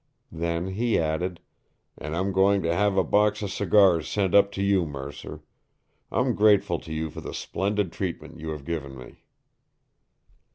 Then he added: "And I'm going to have a box of cigars sent up to you, Mercer. I'm grateful to you for the splendid treatment you have given me."